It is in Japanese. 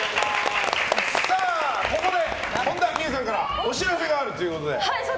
ここで本田望結さんからお知らせがあると。